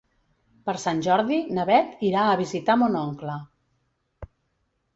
Per Sant Jordi na Bet irà a visitar mon oncle.